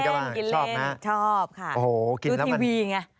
ชอบไหมฮะโอ้โหกินแล้วมันเหมือนอยู่ทีวีไง